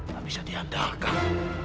tak bisa diandalkan